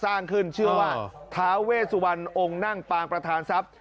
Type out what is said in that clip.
สร้างขึ้นชื่อว่าท้าเวสุวรรณองค์นั่งปางประธานทรัพย์